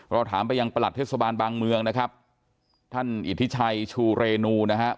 เราถามไปยังประหลัดเทศบาลบางเมืองนะครับท่านอิทธิชัยชูเรนูนะครับ